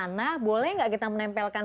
sana boleh gak kita menempelkan